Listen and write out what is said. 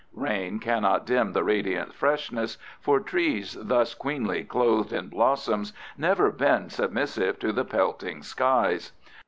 Rain cannot dim the radiant freshness, for trees thus queenly clothed in blossoms never bend submissive to the pelting skies.